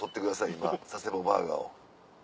今佐世保バーガーを。